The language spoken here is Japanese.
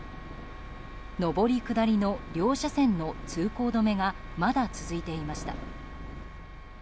上り下りの両車線の通行止めがまだ続いていました。